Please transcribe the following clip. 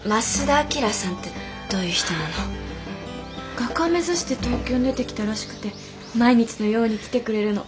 画家目指して東京に出てきたらしくて毎日のように来てくれるの。